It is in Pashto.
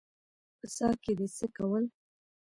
_په څاه کې دې څه کول؟